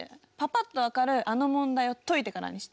パパっと分かるあの問題を解いてからにして。